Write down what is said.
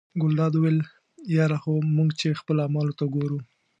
ګلداد وویل یره خو موږ چې خپلو اعمالو ته ګورو.